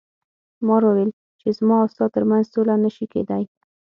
مار وویل چې زما او ستا تر منځ سوله نشي کیدی.